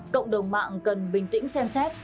cộng đồng mạng cần bình tĩnh xem xét